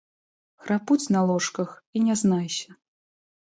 Храпуць на ложках, і не знайся.